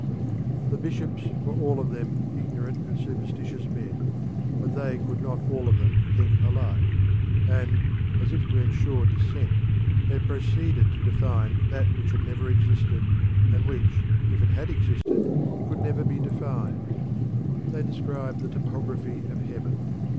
The bishops were all of them ignorant and superstitious men, but they could not all of them think alike. And as if to ensure dissent they proceeded to define that which had never existed, and which if it had existed could never be defined. They described the topography of heaven.